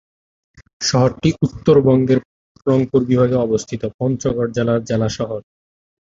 শহরটি উত্তরবঙ্গের রংপুর বিভাগে অবস্থিত পঞ্চগড় জেলার জেলা শহর।